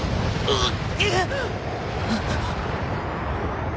あっ。